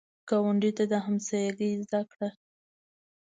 ګاونډي ته همسایګي زده کړه